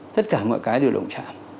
tất cả mọi cái đều đồng chạm